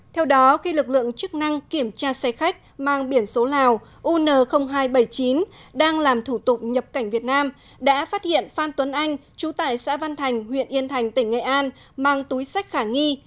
theo đó khi lực lượng chức năng kiểm tra xe khách mang biển số lào un hai trăm bảy mươi chín đang làm thủ tục nhập cảnh việt nam đã phát hiện phan tuấn anh chú tải xã văn thành huyện yên thành tỉnh nghệ an mang túi sách khả nghi